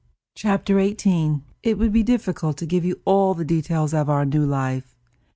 Chapter XVIII It would be difficult to give you all the details of our new life.